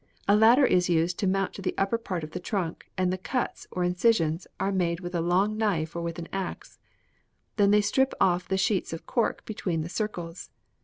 A ladder is used to mount to the upper part of the trunk, and the cuts, or incisions, are made with a long knife or with an axe. Then they strip off the sheets of cork between the circles.